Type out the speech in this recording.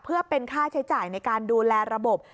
เพื่อเป็นค่าใช้จ่ายในการดูแลระบบ